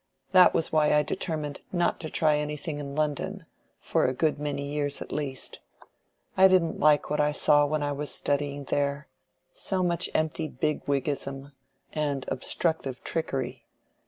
That was why I determined not to try anything in London, for a good many years at least. I didn't like what I saw when I was studying there—so much empty bigwiggism, and obstructive trickery.